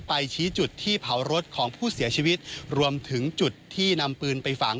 ชี้จุดที่เผารถของผู้เสียชีวิตรวมถึงจุดที่นำปืนไปฝัง